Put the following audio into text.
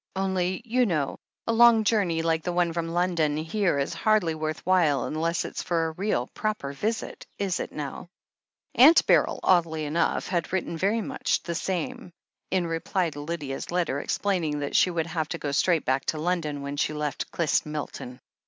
Only, you know, a long journey like the one from London here is hardly worth while unless it's for a real, proper visit, is it now?" Aunt Beryl, oddly enough, had written very much the same, in reply to Lydia's letter, explaining that she would have to go straight back to London when she left Clyst Milton.